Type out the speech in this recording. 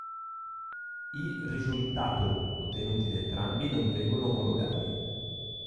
I risultato ottenuti da entrambi non vengono omologati.